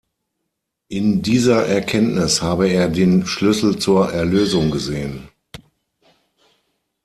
In dieser Erkenntnis habe er den Schlüssel zur Erlösung gesehen.